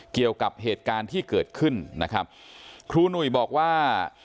เกี่ยวกับเหตุการณ์ที่เกิดขึ้นนะครับครูหนุ่ยบอกว่า